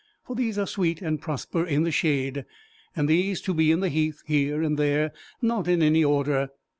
For these are sweet, and prosper in the shade. And these to be in the heath, here and there not in any order.